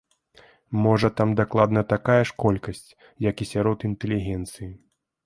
Можа, там дакладна такая ж колькасць, як і сярод інтэлігенцыі.